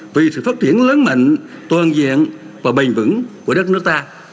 vì sự phát triển lớn mạnh toàn diện và bền vững của đất nước ta